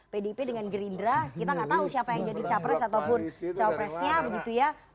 pdip dengan gerindra kita nggak tahu siapa yang jadi capres ataupun cawapresnya begitu ya